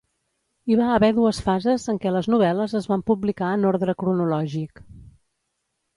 Hi va haver dues fases en què les novel·les es van publicar en ordre cronològic.